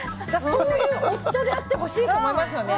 そういう夫であってほしいと思いますね。